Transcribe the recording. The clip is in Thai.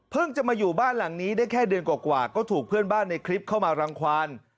จะมาอยู่บ้านหลังนี้ได้แค่เดือนกว่าก็ถูกเพื่อนบ้านในคลิปเข้ามารังความ